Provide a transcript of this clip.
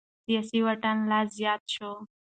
سياسي واټن لا زيات شو.